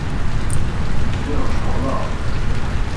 Lliɣ ceɣleɣ.